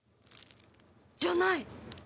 じゃない！